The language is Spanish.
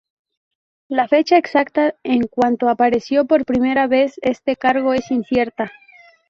La fecha exacta de cuando apareció por primera vez este cargo es incierta.